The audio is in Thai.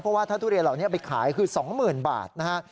เพราะว่าถ้าทุเรียนเหล่านี้ไปขายคือ๒๐๐๐บาทนะฮะ